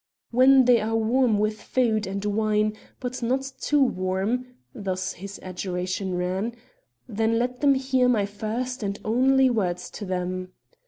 "'When they are warm with food and wine, but not too warm,' thus his adjuration ran, 'then let them hear my first and only words to them.'